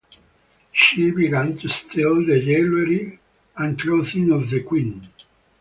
She began to steal the jewellery and clothing of the queen.